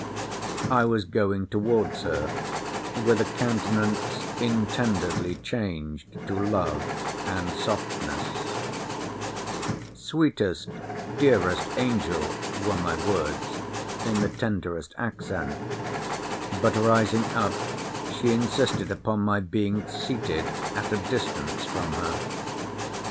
I was going towards her, with a countenance intendedly changed to love and softness: Sweetest, dearest angel, were my words, in the tenderest accent:—But, rising up, she insisted upon my being seated at a distance from her.